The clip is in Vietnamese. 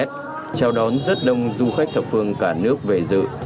chào đón rất đông du khách thập phương cả nước về dự